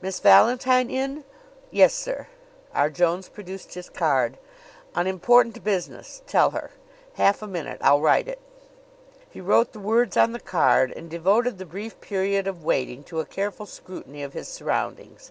"Miss Valentine in?" "Yes, sir." R. Jones produced his card. "On important business, tell her. Half a minute I'll write it." He wrote the words on the card and devoted the brief period of waiting to a careful scrutiny of his surroundings.